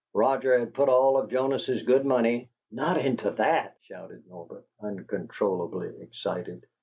Roger had put all of Jonas's good money " "Not into that!" shouted Norbert, uncontrollably excited.